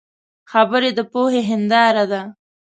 خبرې د پوهې هنداره ده